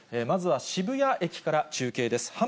まずは渋谷駅から中継です。